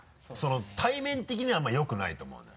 体面的にはあんまりよくないと思うのよ。